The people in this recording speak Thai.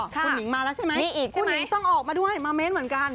คุณหิงมาแล้วใช่ไหมคุณหญิงต้องออกมาด้วยมาเม้นเหมือนกัน